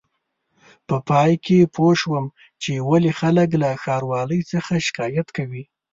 په پای کې پوه شوم چې ولې خلک له ښاروالۍ څخه شکایت کوي.